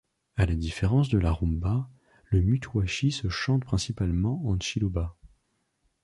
À la différence de la rumba, le mutuashi se chante principalement en tshiluba.